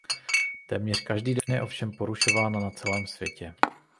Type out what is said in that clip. Téměř každý den je ovšem porušována na celém světě.